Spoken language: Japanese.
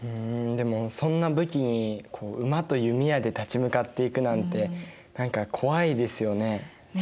でもそんな武器に馬と弓矢で立ち向かっていくなんて何か怖いですよね？ね。